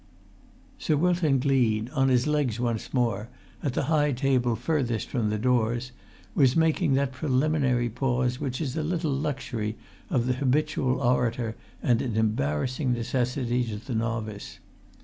Sir Wilton Gleed, on his legs once more, at the high table furthest from the doors, was making that preliminary pause which is a little luxury of the[Pg 201] habitual orator and an embarrassing necessity to the novice.